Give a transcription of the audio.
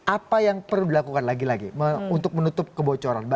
apa yang perlu dilakukan lagi lagi untuk menutup kebocoran